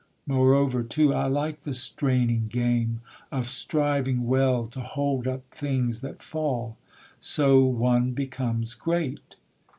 Moreover, too, I like the straining game Of striving well to hold up things that fall; So one becomes great.